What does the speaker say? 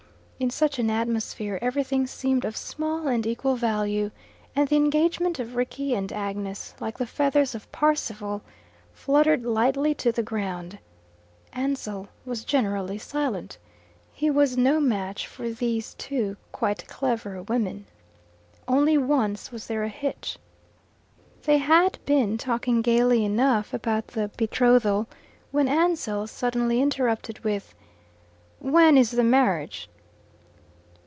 In such an atmosphere everything seemed of small and equal value, and the engagement of Rickie and Agnes like the feathers of Parsival, fluttered lightly to the ground. Ansell was generally silent. He was no match for these two quite clever women. Only once was there a hitch. They had been talking gaily enough about the betrothal when Ansell suddenly interrupted with, "When is the marriage?"